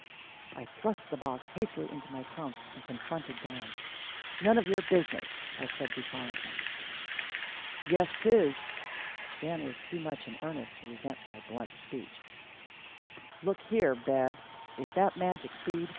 I thrust the box hastily into my trunk and confronted Dan. "None of your business," I said defiantly. "Yes, 'tis." Dan was too much in earnest to resent my blunt speech. "Look here, Bev, is that magic seed?